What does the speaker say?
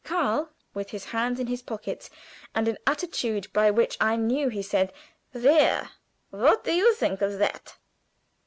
Karl with his hands in his pockets, and an attitude by which I knew he said, "There! what do you think of that?"